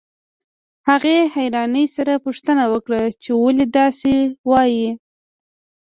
هغې حيرانۍ سره پوښتنه وکړه چې ولې داسې وايئ.